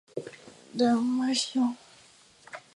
德斯皮奥受到嘉隆帝的信任。